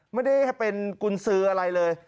ไม่ได้เป็นกุญสืออะไรเลย